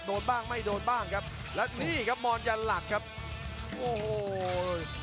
และเดินลงไปลุกขึ้นยิ้มเหวินเหวิน